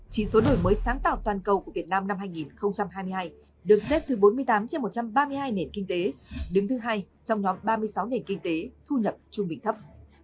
chỉ số đổi mới sáng tạo toàn cầu của việt nam năm hai nghìn hai mươi hai được xếp thứ bốn mươi tám trên một trăm ba mươi hai nền kinh tế đứng thứ hai trong nhóm ba mươi sáu nền kinh tế thu nhập trung bình thấp